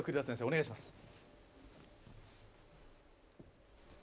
お願いします。